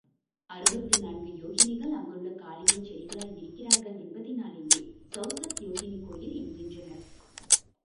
அறுபத்து நான்கு யோகினிகள் அங்குள்ள காளியின் செடிகளாய் இருக்கிறார்கள் என்பதினாலேயே சவுசத் யோகினி கோயில் என்கின்றனர்.